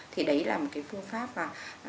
thì đấy là một cái phương pháp mà